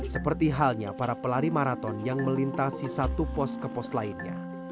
seperti halnya para pelari maraton yang melintasi satu pos ke pos lainnya